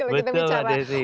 betul pak dirjen